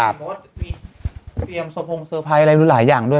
มีเตรียมสมพงษ์เซอร์ไพรส์หรือหลายอย่างด้วย